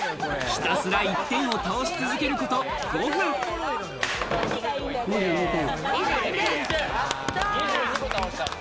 ひたすら１点を倒し続けるこ２２点。